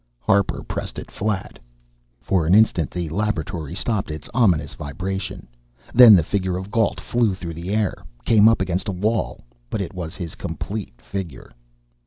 Harper pressed it flat. For an instant the laboratory stopped its ominous vibration. Then the figure of Gault flew through the air, came up against a wall but it was his complete figure.